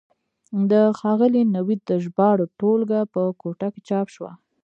د ښاغلي نوید د ژباړو ټولګه په کوټه کې چاپ شوه.